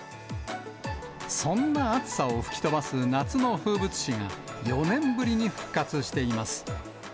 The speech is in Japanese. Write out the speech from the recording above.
そんな暑さを吹き飛ばす夏の風物詩が、４年ぶりに復活しています。